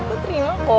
gue terima pak